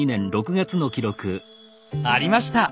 ありました！